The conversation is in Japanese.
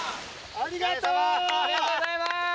ありがとうございます！